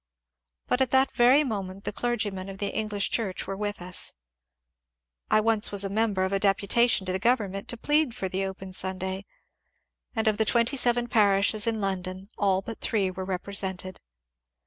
But at that very moment the clergymen of the English Church were with us. I once was a member of a deputation to the government to plead for the open Sunday, and of the twenty seven parishes in London all but three were represented.